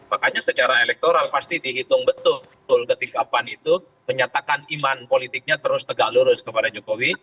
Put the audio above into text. makanya secara elektoral pasti dihitung betul ketika pan itu menyatakan iman politiknya terus tegak lurus kepada jokowi